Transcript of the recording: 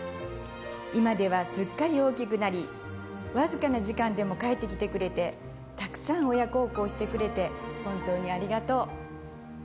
今では、すっかり大きくなりわずかな時間でも帰ってきてくれてたくさん親孝行してくれて本当にありがとう。